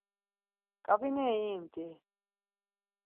Ǩap̌ineri imt̆i.